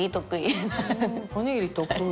おにぎり得意。